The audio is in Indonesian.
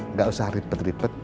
nggak usah ribet ribet